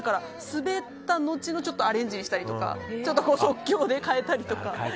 滑ったのちのアレンジにしたりとか即興で変えたりとか。